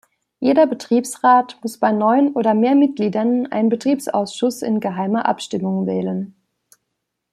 Jeder Betriebsrat muss bei neun oder mehr Mitgliedern einen Betriebsausschuss in geheimer Abstimmung wählen.